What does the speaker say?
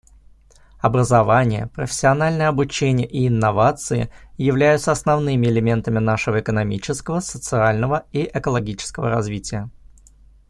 Образование, профессиональное обучение и инновации являются основными элементами нашего экономического, социального и экологического развития.